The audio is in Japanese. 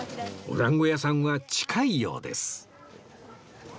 おだんご屋さんは近いようです